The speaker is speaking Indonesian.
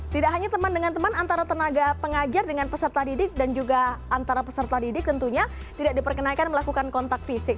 tidak hanya teman dengan teman antara tenaga pengajar dengan peserta didik dan juga antara peserta didik tentunya tidak diperkenalkan melakukan kontak fisik